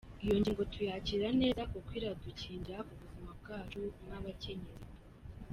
' Iyo ngingo tuyakira neza kuko iradukingira ubuzima bwacu nk’abakenyezi.